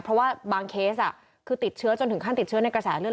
เพราะว่าบางเคสคือติดเชื้อจนถึงขั้นติดเชื้อในกระแสเลือด